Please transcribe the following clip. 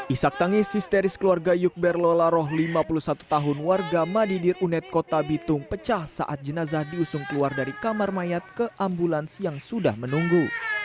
isak tangis histeris keluarga yukber lolaroh lima puluh satu tahun warga madidir unet kota bitung pecah saat jenazah diusung keluar dari kamar mayat ke ambulans yang sudah menunggu